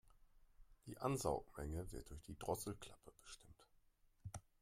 Die Ansaugmenge wird durch die Drosselklappe bestimmt.